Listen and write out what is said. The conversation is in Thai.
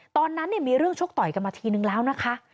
ตอนนั้นมีเรื่องชกต่อยกันมาทีนึงแล้วนะคะ